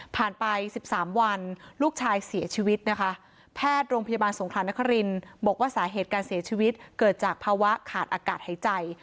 ไป๑๓วันลูกชายเสียชีวิตนะคะแพทย์โรงพยาบาลสงครานครินบอกว่าสาเหตุการเสียชีวิตเกิดจากภาวะขาดอากาศหายใจ